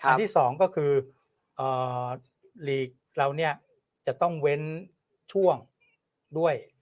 อันที่สองก็คือลีกเราจะต้องเว้นช่วงด้วย